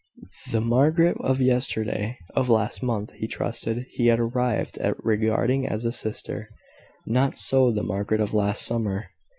The Margaret of yesterday, of last month, he trusted he had arrived at regarding as a sister: not so the Margaret of last summer.